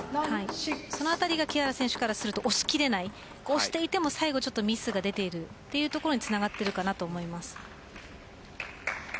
そのあたり木原選手からすると押し切れない押していても最後ミスが出るというところにつながっているかなと思います。